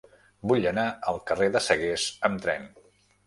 Vull anar al carrer de Sagués amb tren.